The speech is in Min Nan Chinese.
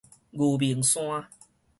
牛眠山